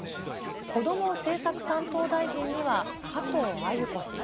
こども政策担当大臣には加藤鮎子氏。